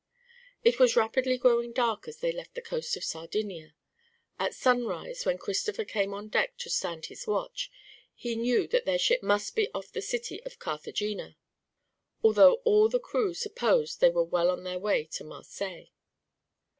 It was rapidly growing dark as they left the coast of Sardinia. At sunrise, when Christopher came on deck to stand his watch, he knew that their ship must be off the city of Carthagena, although all the crew supposed they well on their way to Marseilles.